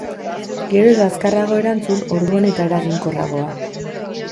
Gero eta azkarrago erantzun, orduan eta eraginkorragoa.